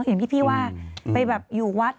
อย่างที่พี่ว่าไปแบบอยู่วัด